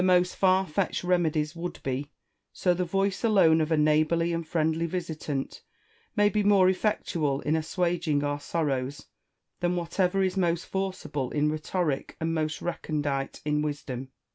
most far fetched remedies would be, so the voice alone of a neighbourly and friendly visitant may be more effectual in assuaging our sorrows, than whatever is most forcible in rhetoric and most recondite in wisdom.